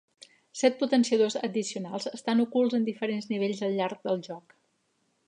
Set potenciadors addicionals estan ocults en diferents nivells al llarg del joc.